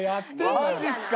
マジすか。